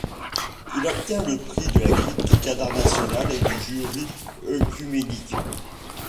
Il obtient le Prix de la Critique internationale et du Jury œcuménique.